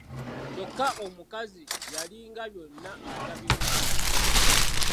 Kyokka omukazi yalinga byonna atabiwulira.